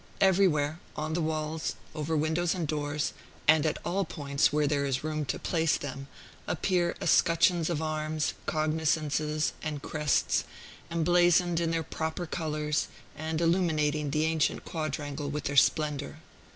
Everywhere on the walls, over windows and doors, and at all points where there is room to place them appear escutcheons of arms, cognizances, and crests, emblazoned in their proper colors, and illuminating the ancient quadrangle with their splendor.